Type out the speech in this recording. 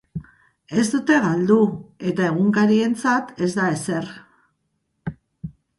Ez dute galdu eta egunkarientzat ez da ezer.